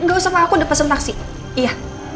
gak usah pak aku udah pesen taksi iya